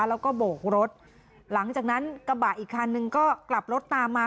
แล้วก็โบกรถหลังจากนั้นกระบะอีกคันนึงก็กลับรถตามมา